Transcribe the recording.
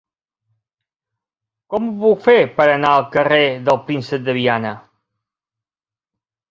Com ho puc fer per anar al carrer del Príncep de Viana?